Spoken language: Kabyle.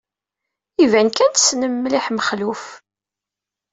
Iban kan tessnem mliḥ Mexluf.